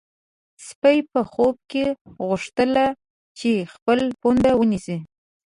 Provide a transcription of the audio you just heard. سپی په خوب کې غوښتل چې خپل پونده ونیسي.